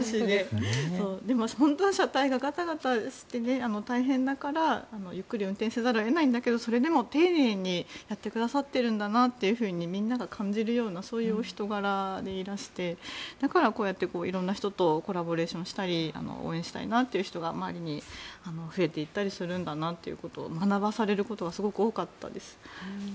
でも車体がガタガタして大変だから、ゆっくり運転せざるを得ないんだけどそれでも丁寧にやってくださっているんだなっていうふうにみんなが感じるようなそういう人柄でいらしてだから、こうやって色んな人とコラボレーションしたり応援したいなっていう人が周りに増えていったりするんだなっていうことを学ばされることがすごく多かったです。